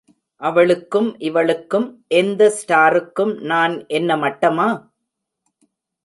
அவளுக்கும் இவளுக்கும், எந்த ஸ்டாருக்கும் நான் என்ன மட்டமா?